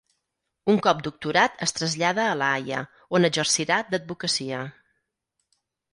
Un cop doctorat es trasllada a La Haia on exercirà d'advocacia.